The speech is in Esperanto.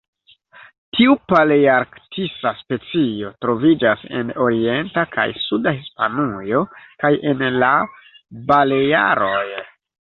Tiu palearktisa specio troviĝas en orienta kaj suda Hispanujo, kaj en la Balearoj.